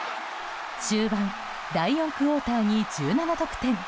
終盤、第４クオーターに１７得点。